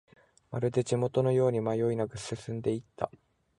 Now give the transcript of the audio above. まるで地元のように迷いなく進んでいった